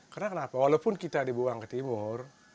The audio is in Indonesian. karena kenapa walaupun kita dibuang ke timur